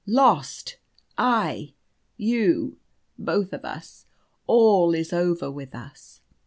Lost I you both of us. All is over with us."